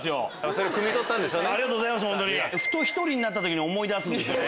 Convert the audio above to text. それをくみ取ったんでしょうね。